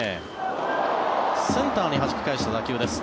センターにはじき返した打球です。